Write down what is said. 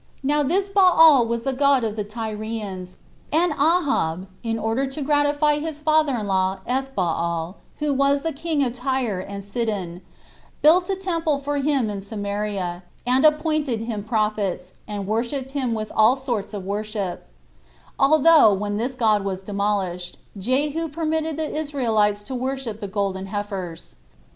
Now this Baal was the god of the Tyrians; and Ahab, in order to gratify his father in law, Ethbaal, who was the king of Tyre and Sidon, built a temple for him in Samaria, and appointed him prophets, and worshipped him with all sorts of worship, although, when this god was demolished, Jehu permitted the Israelites to worship the golden heifers.